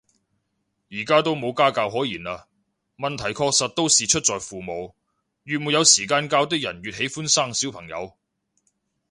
而家都冇家教可言啦，問題確實都是出在父母，越沒有時間教的人越喜歡生小朋友